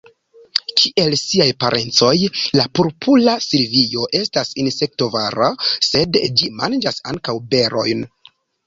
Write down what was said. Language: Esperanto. Kiel siaj parencoj, la Purpura silvio estas insektovora, sed ĝi manĝas ankaŭ berojn.